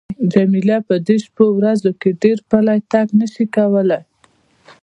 جميله په دې شپو ورځو کې ډېر پلی تګ نه شوای کولای.